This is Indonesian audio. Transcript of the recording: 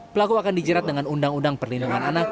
pelaku akan dijerat dengan undang undang perlindungan anak